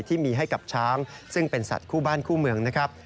ที่มีให้กับช้างซึ่งเป็นสัตว์คู่บ้านคู่เมืองนะครับ